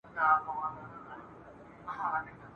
حرص او تمي وو تر دامه راوستلی !.